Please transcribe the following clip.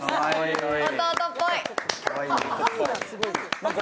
弟っぽい。